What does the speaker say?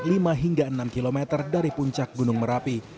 lima hingga enam km dari puncak gunung merapi